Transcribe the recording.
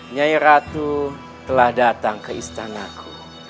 nyai ratu telah datang ke istanaku